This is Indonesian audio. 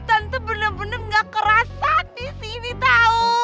tante bener bener gak kerasa disini tau